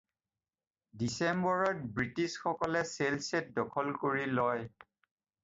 ডিচেম্বৰত ব্ৰিটিছসকলে চেলচেট দখল কৰি লয়।